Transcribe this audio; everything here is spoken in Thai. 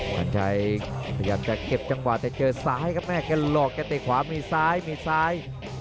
วันชัยพยายามจะเก็บจังหวะแต่เจอซ้ายครับแม่แกหลอกแกเตะขวามีซ้ายมีซ้าย